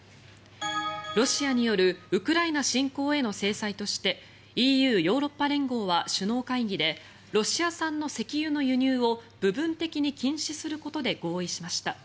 ロシアによるウクライナ侵攻への制裁としてＥＵ・ヨーロッパ連合は首脳会議でロシア産の石油の輸入を部分的に禁止することで合意しました。